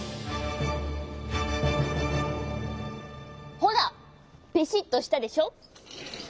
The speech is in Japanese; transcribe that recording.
ほらピシッとしたでしょ？